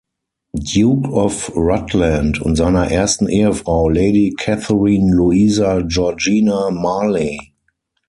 Duke of Rutland und seiner ersten Ehefrau Lady Catherine Louisa Georgina Marley.